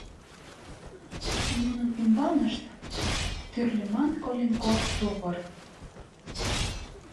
Нунын ӱмбалнышт — тӱрлеман коленкор тувыр.